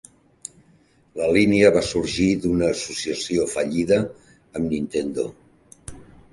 La línia va sorgir d'una associació fallida amb Nintendo.